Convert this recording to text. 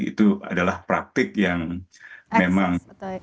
itu adalah praktik yang memang